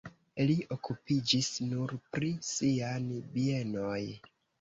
Li okupiĝis nur pri sian bienoj.